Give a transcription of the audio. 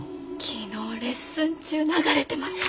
昨日レッスン中流れてました。